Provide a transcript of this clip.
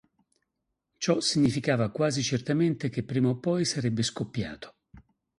Ciò significava quasi certamente che prima o poi sarebbe scoppiato.